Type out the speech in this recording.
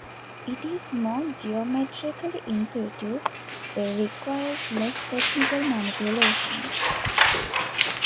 It is more geometrically intuitive and requires less technical manipulation.